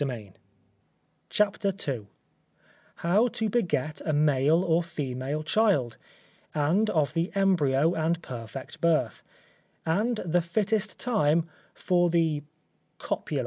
CHAPTER II _How to beget a male or female child; and of the Embryo and perfect Birth; and the fittest time for the copula.